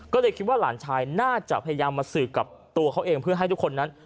ก็เลยคิดว่าหลานชายน่าจะพยายามมาสืบกับตัวเขาเองเพื่อให้ทุกคนนั้น